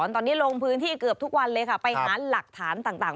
ตอนนี้ลงพื้นที่เกือบทุกวันเลยค่ะไปหาหลักฐานต่าง